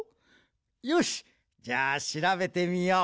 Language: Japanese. よしじゃあしらべてみよう。